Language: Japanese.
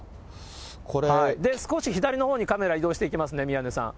少し左のほうにカメラ移動していきますね、宮根さん。